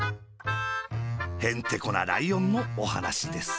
へんてこなライオンのおはなしです。